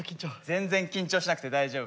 全然緊張しなくて大丈夫です。